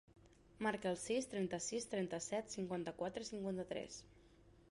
Marca el sis, trenta-sis, trenta-set, cinquanta-quatre, cinquanta-tres.